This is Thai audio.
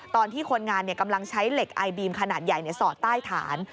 ตอนที่คนงานกำลังใช้เหล็กไอบีมขนาดใหญ่สอดใต้ฐาน